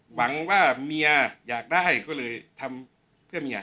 หวังว่าเมียอยากได้ก็เลยทำเพื่อเมีย